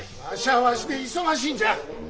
わしはわしで忙しいんじゃ。